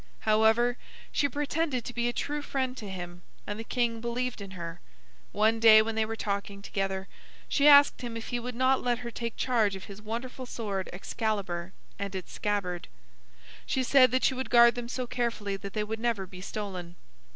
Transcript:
However, she pretended to be a true friend to him, and the king believed in her. One day when they were talking together, she asked him if he would not let her take charge of his wonderful sword Excalibur, and its scabbard. She said that she would guard them so carefully that they would never be stolen.